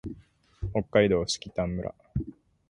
北海道色丹村